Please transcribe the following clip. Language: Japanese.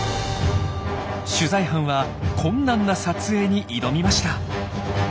取材班は困難な撮影に挑みました。